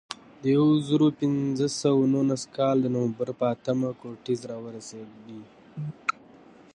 د یو زرو پینځه سوه نولس کال د نومبر په اتمه کورټز راورسېد.